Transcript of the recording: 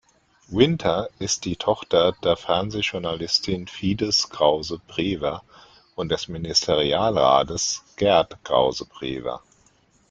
Winther ist die Tochter der Fernsehjournalistin Fides Krause-Brewer und des Ministerialrats Gerd Krause-Brewer.